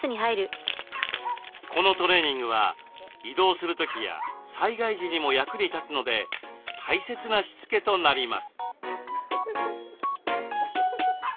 このトレーニングは移動する時や災害時にも役に立つので大切なしつけとなります。